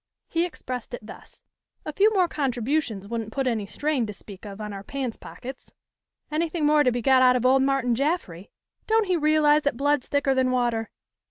He expressed it thus: "A few more contributions wouldn't put any strain to speak of on our pants' pockets. Anything more to be got out of Old Martin Jaffry? Don't he realize that blood's thicker than water?"